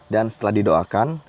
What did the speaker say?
dan setelah didoakan